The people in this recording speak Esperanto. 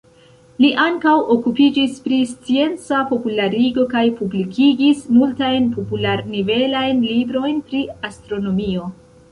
Li ankaŭ okupiĝis pri scienca popularigo kaj publikigis multajn popular-nivelajn librojn pri astronomio.